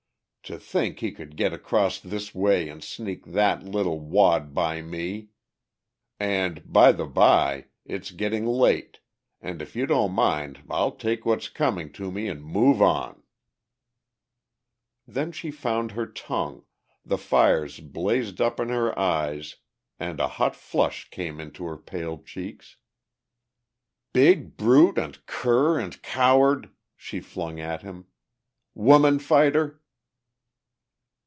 To think he could get across this way and sneak that little wad by me! And by the by, it's getting late and if you don't mind I'll take what's coming to me and move on." Then she found her tongue, the fires blazed up in her eyes and a hot flush came into her pale cheeks. "Big brute and cur and coward!" she flung at him. "Woman fighter!"